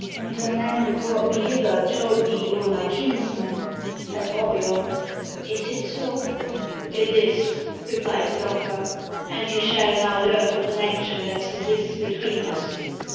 "The man who brought me hither told me you were my kinsman," said Auriol. "Is it so?" "It is," replied the doctor, "and you shall now learn the connection that subsists between us.